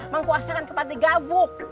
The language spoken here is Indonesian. mengkuasakan kepada gabuk